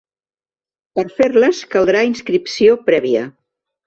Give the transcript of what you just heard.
Per fer-les caldrà inscripció prèvia.